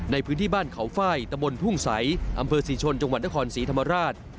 ในพื้นที่บ้านเขาไฟล์ตะบนทุ่งใสอำเภอศรีชนจังหวัดนครศรีธรรมราช